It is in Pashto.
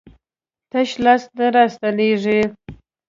تش لاس نه راستنېږي.